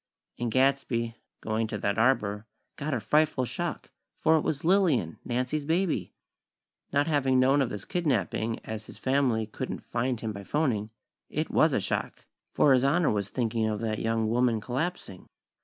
And Gadsby, going to that arbor, got a frightful shock; for it was Lillian, Nancy's baby! Not having known of this "kidnapping" as his family couldn't find him by phoning, it was a shock; for His Honor was thinking of that young woman collapsing.